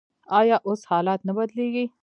آیا اوس حالات نه بدلیږي؟